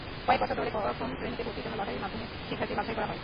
কয়েক বছর ধরে প্রথম শ্রেণিতে ভর্তির জন্য লটারির মাধ্যমে শিক্ষার্থী বাছাই করা হয়।